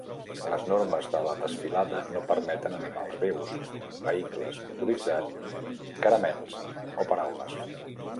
Les normes de la desfilada no permeten animals vius, vehicles motoritzats, caramels, o paraules.